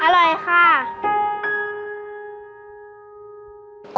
อร่อยค่ะ